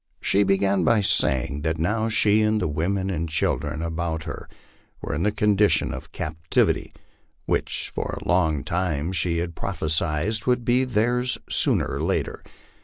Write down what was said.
She began by saying that now she and the women and children about her were in the condition of captivity, which for a long time she had prophesied would be theirs sooner or later.